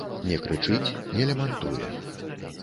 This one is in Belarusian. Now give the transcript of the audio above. Не крычыць, не лямантуе.